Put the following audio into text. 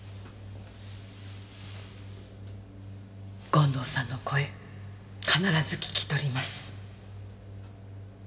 権藤さんの声必ず聞き取ります。